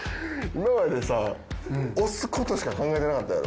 今までさ押す事しか考えてなかったやろ？